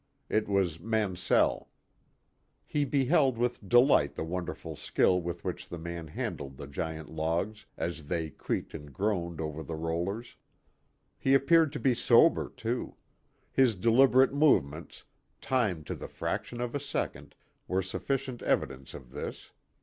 It was Mansell. He beheld with delight the wonderful skill with which the man handled the giant logs as they creaked and groaned along over the rollers. He appeared to be sober, too. His deliberate movements, timed to the fraction of a second, were sufficient evidence of this.